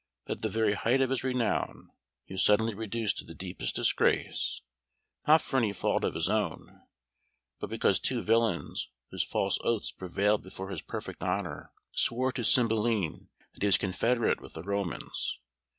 But at the very height of his renown he was suddenly reduced to the deepest disgrace, not for any fault of his own, but because two villains, whose false oaths prevailed before his perfect honour, swore to Cymbeline that he was confederate with the Romans.